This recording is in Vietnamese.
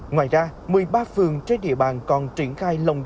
ngoài ra một mươi ba phường trên địa bàn còn triển khai lồng ghép